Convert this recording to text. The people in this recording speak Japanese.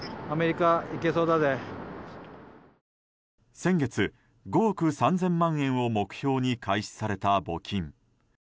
先月、５億３０００万円を目標に開始された募金。